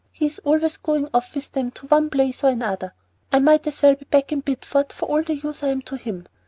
"He's always going off with them to one place or another. I might as well be back in Bideford for all the use I am to him."